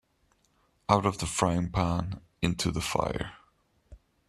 Out of the frying-pan into the fire.